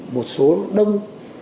một số đông